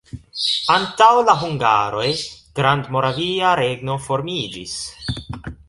Antaŭ la hungaroj Grandmoravia regno formiĝis.